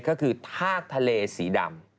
ก็คือทากทะเลสีดำ